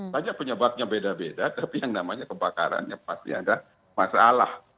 saja penyebabnya beda beda tapi yang namanya kebakarannya pasti ada masalah